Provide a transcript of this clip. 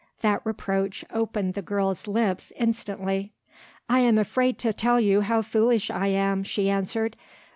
That reproach opened the girl's lips instantly. "I am afraid to tell you how foolish I am," she answered.